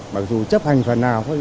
mặc dù chấp hành phần nào thôi